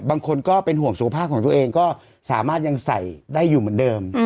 บางคนก็เป็นห่วงสุขภาพของตัวเองก็สามารถยังใส่ได้อยู่เหมือนเดิม